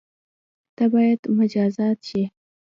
ته بايد مجازات شی